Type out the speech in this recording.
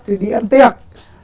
thì đi ăn tiệc